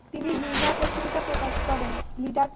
তিনি লিডার পত্রিকা প্রকাশ করেন।